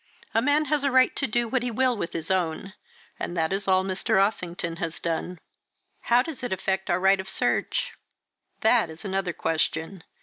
A man has a right to do what he will with his own and that is all Mr. Ossington has done." "How does it effect our right of search?" "That is another question.